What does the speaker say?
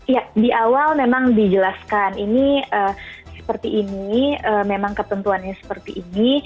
ya di awal memang dijelaskan ini seperti ini memang ketentuannya seperti ini